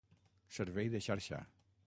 Servei de xarxa.